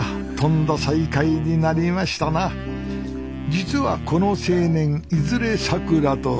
実はこの青年いずれさくらと。